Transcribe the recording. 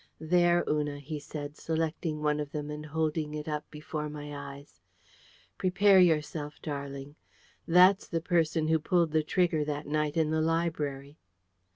"There, Una," he said, selecting one of them and holding it up before my eyes. "Prepare yourself, darling. That's the person who pulled the trigger that night in the library!"